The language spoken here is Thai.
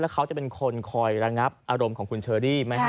แล้วเขาจะเป็นคนคอยระงับอารมณ์ของคุณเชอรี่